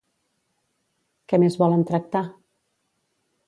Què més volen tractar?